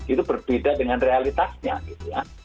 itu berbeda dengan realitasnya gitu ya